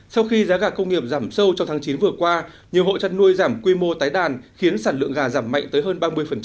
sau khi giá gà công nghiệp giảm sâu trong tháng chín vừa qua nhiều hộ chăn nuôi giảm quy mô tái đàn khiến sản lượng gà giảm mạnh tới hơn ba mươi